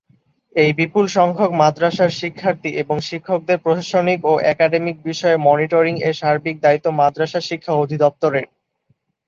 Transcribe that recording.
এই বিপুল সংখ্যক মাদ্রাসার শিক্ষার্থী এবং শিক্ষকদের প্রশাসনিক এবং একাডেমিক বিষয়ে মনিটরিং এর সার্বিক দায়িত্ব মাদ্রাসা শিক্ষা অধদিপ্তরের।